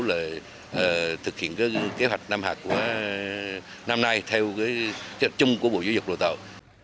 là thực hiện cái kế hoạch năm hạt của năm nay theo cái trận chung của bộ giới dục độ tàu